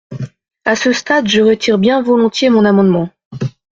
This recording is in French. À ce stade, je retire bien volontiers mon amendement.